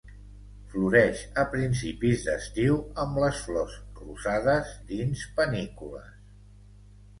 Floreix a principis d'estiu amb les flors rosades dins panícules.